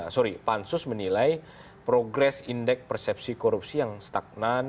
sorry pansus menilai progres indeks persepsi korupsi yang stagnan